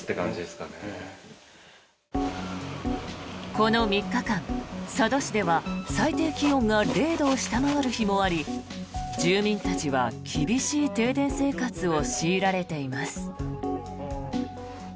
この３日間、佐渡市では最低気温が０度を下回る日もあり住民たちは厳しい停電生活を強いられています。